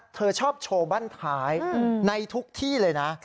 เธอชอบโชว์บ้านท้ายในทุกที่เลยนะ